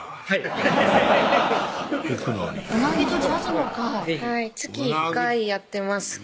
はい月１回やってます